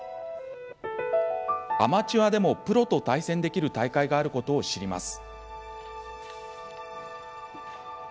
アマチュアでもプロと対戦できる大会があることを知ります。